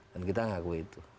dan kita ngakui itu